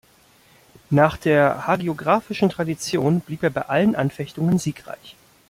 Nach der hagiographischen Tradition blieb er bei allen Anfechtungen siegreich.